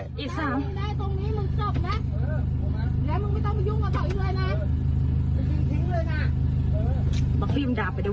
มาดูดิพลทเนี่ย